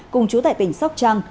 cùng chú tại tỉnh sóc trăng